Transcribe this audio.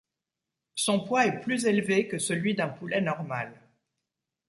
Son poids est plus élevé que celui d'un poulet normal.